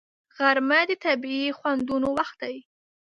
غرمه د طبیعي خوندونو وخت دی